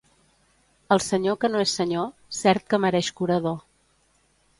El senyor que no és senyor, cert que mereix curador.